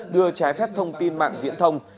đưa trái phép thông tin mạng viễn thông